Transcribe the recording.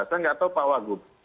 saya nggak tahu pak wagub